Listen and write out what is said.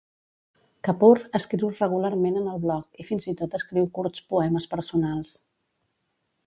Kapur escriu regularment en el bloc, i fins i tot escriu curts poemes personals.